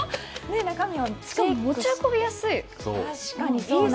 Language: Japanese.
しかも持ち運びやすい！